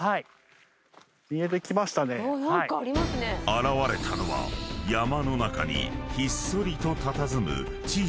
［現れたのは山の中にひっそりとたたずむ］